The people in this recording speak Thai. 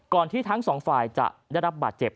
ก่อนที่ทั้ง๒ฝ่ายจะได้รับบาดเจ็บ